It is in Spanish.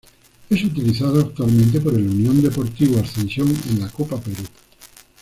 Es utilizado actualmente por el Unión Deportivo Ascensión en la Copa Perú.